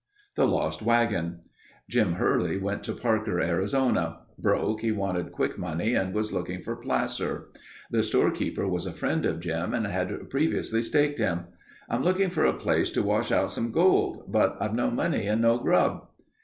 THE LOST WAGON. Jim Hurley went to Parker, Arizona. Broke, he wanted quick money and was looking for placer. The storekeeper was a friend of Jim and had previously staked him. "I'm looking for a place to wash out some gold, but I've no money and no grub...."